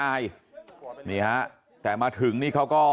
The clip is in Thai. ชาวบ้านในพื้นที่บอกว่าปกติผู้ตายเขาก็อยู่กับสามีแล้วก็ลูกสองคนนะฮะ